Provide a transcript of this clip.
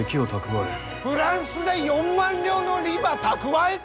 フランスで４万両の利ば蓄えた！？